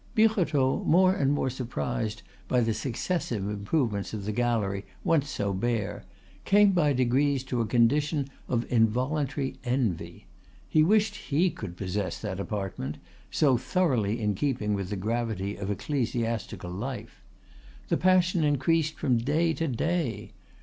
Birotteau, more and more surprised by the successive improvements of the gallery, once so bare, came by degrees to a condition of involuntary envy. He wished he could possess that apartment, so thoroughly in keeping with the gravity of ecclestiastical life. The passion increased from day to day.